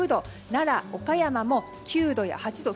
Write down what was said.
奈良、岡山も９度や８度。